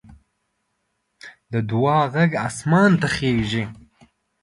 د دعا غږ اسمان ته خېژي